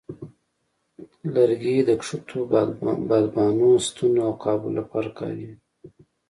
لرګي د کښتو د بادبانو، ستنو، او قابو لپاره کارېږي.